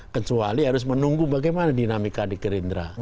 kecuali harus menunggu bagaimana dinamika di gerindra